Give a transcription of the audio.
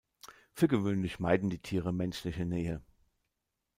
Für gewöhnlich meiden die Tiere menschliche Nähe.